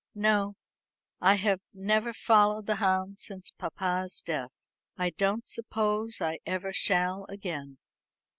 "No. I have never followed the hounds since papa's death. I don't suppose I ever shall again."